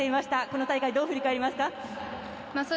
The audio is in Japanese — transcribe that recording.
この大会、どう振り返りますか？